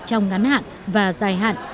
trong ngắn hạn và dài hạn